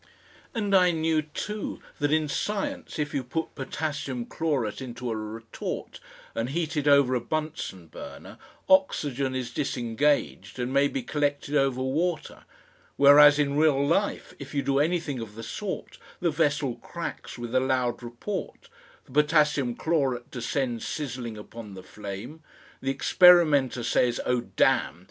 And I knew, too, that in science if you put potassium chlorate into a retort and heat it over a Bunsen burner, oxygen is disengaged and may be collected over water, whereas in real life if you do anything of the sort the vessel cracks with a loud report, the potassium chlorate descends sizzling upon the flame, the experimenter says "Oh! Damn!"